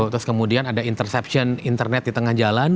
terus kemudian ada interception internet di tengah jalan